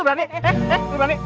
lu berani eh eh